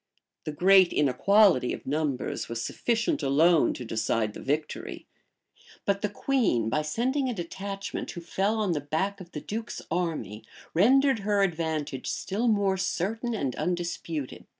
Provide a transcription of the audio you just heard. The great inequality of numbers was sufficient alone to decide the victory; but the queen, by sending a detachment, who fell on the back of the duke's army, rendered her advantage still more certain and undisputed.